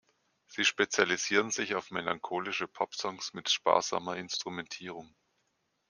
Sie spezialisieren sich auf melancholische Popsongs mit sparsamer Instrumentierung.